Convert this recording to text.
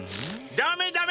ダメダメ！！